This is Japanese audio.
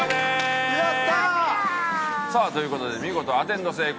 さあという事で見事アテンド成功。